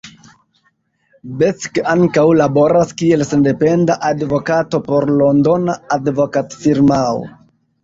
Beck ankaŭ laboras kiel sendependa advokato por Londona advokatfirmao.